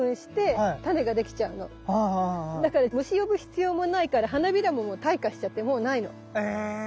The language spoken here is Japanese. だから虫呼ぶ必要もないから花びらも退化しちゃってもう無いの。え！